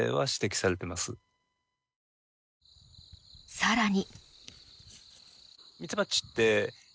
更に。